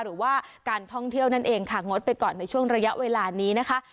หรือว่าการท่องเที่ยวนั่นเองค่ะงดไปก่อนในช่วงระยะเวลานี้นะคะ